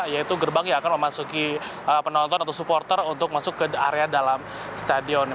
yaitu gerbang yang akan memasuki penonton atau supporter untuk masuk ke area dalam stadion